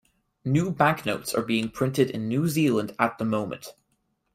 New banknotes are being printed in New Zealand at the moment.